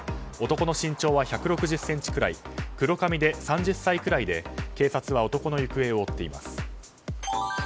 男の身長は１６０ｃｍくらい黒髪で３０歳くらい警察は男の行方を追っています。